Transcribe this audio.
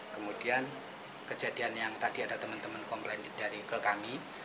kemudian kejadian yang tadi ada teman teman komplain dari ke kami